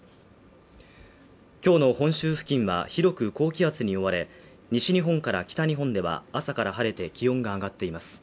今日の本州付近は広く高気圧に追われ、西日本から北日本では、朝から晴れて気温が上がっています。